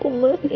sebentar ya pa